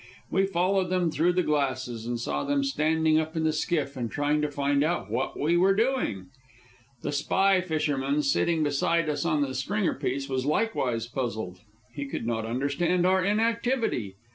We followed them through the glasses, and saw them standing up in the skiff and trying to find out what we were doing. The spy fisherman, sitting beside us on the stringerpiece, was likewise puzzled. He could not understand our inactivity.